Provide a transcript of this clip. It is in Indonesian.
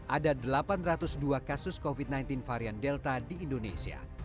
ada delapan ratus dua kasus covid sembilan belas varian delta di indonesia